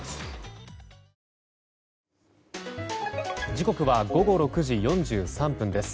時刻は午後６時４３分です。